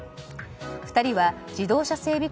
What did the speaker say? ２人は自動車整備